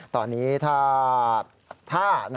ตอนนี้ถ้า